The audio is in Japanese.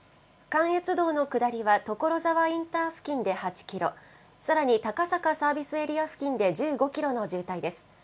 関越道の下りは所沢インター付近で８キロ、さらに高坂サービスエリア付近で１５キロの渋滞です。